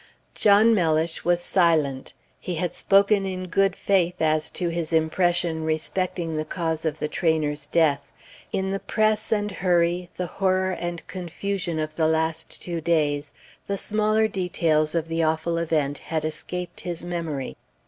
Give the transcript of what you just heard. John Mellish was silent. He had spoken in good faith as to his impression respecting the cause of the trainer's death. In the press and hurry, the horror and confusion of the two last days, the smaller details of the awful event had escaped his memory.